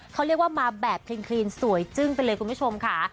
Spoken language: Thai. เขาเรียกว่ามาแบบคลีนสวยจึ้งไปเลยคุณผู้ชมค่ะ